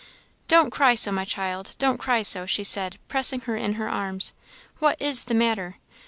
"Don't cry so, my child don't cry so," she said, pressing her in her arms. "What is the matter?